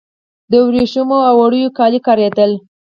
د وریښمو او وړیو کالي کاریدل